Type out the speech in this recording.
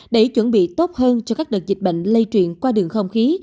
để chuẩn bị tốt hơn cho các đợt dịch bệnh lây truyền qua đường không khí